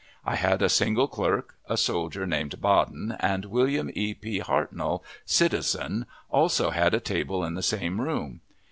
I had a single clerk, a soldier named Baden; and William E. P. Hartnell, citizen, also had a table in the same room.